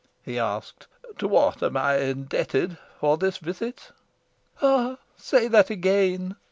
He asked: "To what am I indebted for this visit?" "Ah, say that again!"